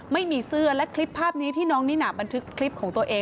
ไม่มีเสื้อและคลิปภาพนี้ที่น้องนิน่าบันทึกคลิปของตัวเอง